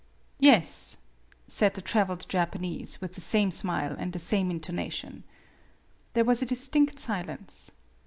"Yes," said the traveled Japanese, with the same smile and the same intonation. There was a distinct silence.